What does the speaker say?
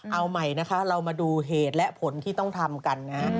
เอาใหม่นะคะเรามาดูเหตุและผลที่ต้องทำกันนะฮะ